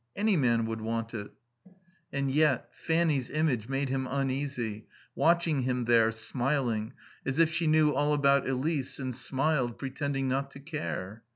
Any man would want it. And yet Fanny's image made him uneasy, watching him there, smiling, as if she knew all about Elise and smiled, pretending not to care.